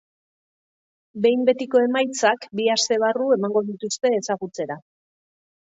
Behin betiko emaitzak bi aste barru emango dituzte ezagutzera.